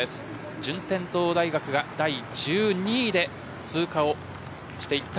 順天堂大学が第１２位で通過していきました。